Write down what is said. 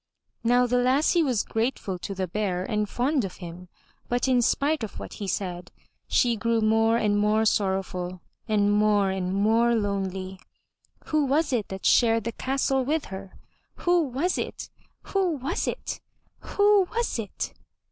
Now the lassie was grateful to the Bear and fond of him, but in spite of what he said, she grew more and more sorrowful and more and more lonely. Who was it that shared the castle with her? Who was it? Who was it? Who was it?